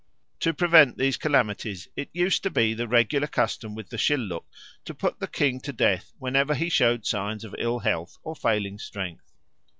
To prevent these calamities it used to be the regular custom with the Shilluk to put the king to death whenever he showed signs of ill health or failing strength.